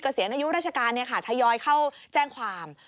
เกษียณอายุราชการทยอยเข้าแจ้งความ